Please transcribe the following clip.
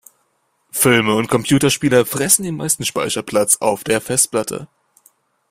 Filme und Computerspiele fressen den meisten Speicherplatz auf der Festplatte.